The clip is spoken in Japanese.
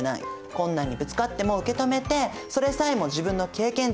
困難にぶつかっても受け止めてそれさえも自分の経験値が上がる。